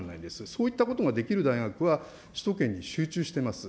そういったことができる大学は首都圏に集中しています。